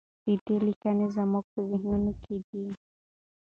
د ده لیکنې زموږ په ذهنونو کې دي.